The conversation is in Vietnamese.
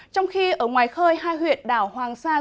trong khi ở ngoài khơi hai huyệt đảo hoàng sơn